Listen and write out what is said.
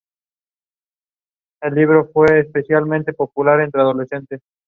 Según Tucídides, la nueva constitución ateniense combinaba acertadamente elementos oligárquicos y democráticos.